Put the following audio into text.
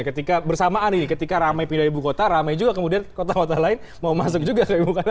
ketika bersamaan ini ketika ramai pindah ibu kota ramai juga kemudian kota kota lain mau masuk juga